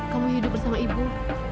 kamu hidup bersama ibu